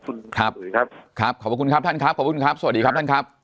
ครับครับขอบคุณครับท่านครับขอบคุณครับสวัสดีครับท่านครับ